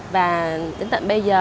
và đến tận bây giờ